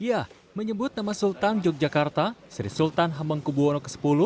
ya menyebut nama sultan yogyakarta sri sultan hamengkubwono x